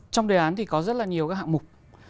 trong đề án thì có rất là nhiều các hạng mục